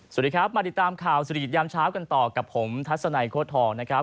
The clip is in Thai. สวัสดีครับมาติดตามข่าวเศรษฐกิจยามเช้ากันต่อกับผมทัศนัยโค้ดทองนะครับ